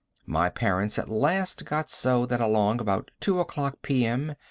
My parents at last got so that along about 2 o'clock P.M.